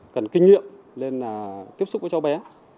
cần kinh nghiệm lên là tiếp xúc với cháu bé